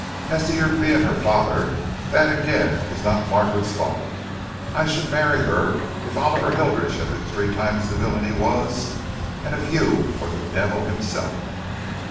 As to your being her father, that again is not Margaret's fault. I should marry her if Oliver Hilditch had been three times the villain he was, and if you were the Devil himself."